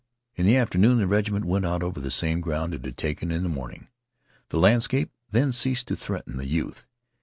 In the afternoon the regiment went out over the same ground it had taken in the morning. The landscape then ceased to threaten the youth.